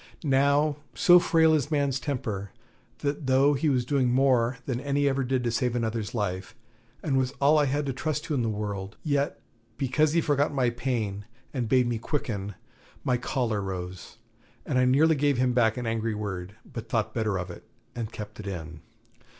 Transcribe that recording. Now so frail is man's temper, that though he was doing more than any ever did to save another's life, and was all I had to trust to in the world; yet because he forgot my pain and bade me quicken, my choler rose, and I nearly gave him back an angry word, but thought better of it and kept it in.